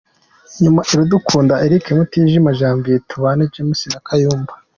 Inyuma:Iradukunda Eric, Mutijima Javier, Tubane James na Kayumba .